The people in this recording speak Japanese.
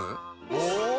お！